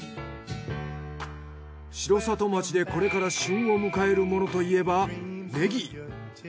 城里町でこれから旬を迎えるものといえばネギ。